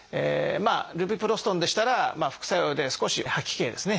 ルビプロストンでしたら副作用で少し吐き気ですね。